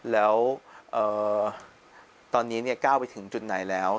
แล้วตอนนี้ก้าวไปถึงจุดไหนแล้ว